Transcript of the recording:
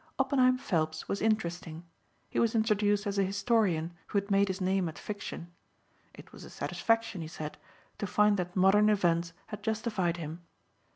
Oppenheim Phelps was interesting. He was introduced as a historian who had made his name at fiction. It was a satisfaction, he said, to find that modern events had justified him.